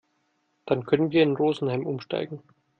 Dann können wir in Rosenheim umsteigen.